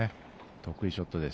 得意ショットです。